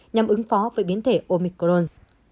nhằm ứng phó với biến thể omicron